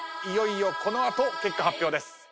いよいよこの後結果発表です。